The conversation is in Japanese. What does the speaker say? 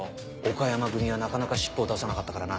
岡山組はなかなか尻尾を出さなかったからな。